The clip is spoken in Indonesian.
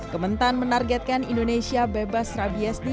kementan menargetkan indonesia bebas rabies di dua ribu tiga puluh